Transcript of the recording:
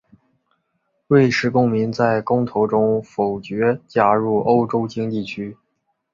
瑞士公民在公投中否决加入欧洲经济区。